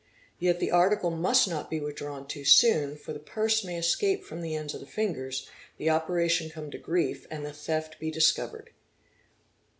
Yet the article must not be with drawn too soon, for the purse may escape | from the ends of the fingers, the opera tion come to grief, and the theft he discovered.